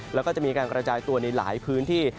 แล้วก็จะมีการกระจายตัวในหลายพื้นที่